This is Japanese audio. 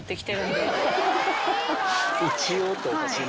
一応っておかしい。